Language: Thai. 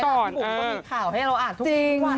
ทุกคนก็มีข่าวให้เราอ่านทุกวัน